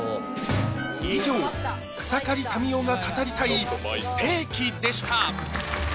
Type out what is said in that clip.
以上草刈民代が語りたいステーキでした